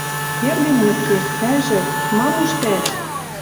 Эргӹм уке... Тӓжӹ... Мам уж тӓ?..»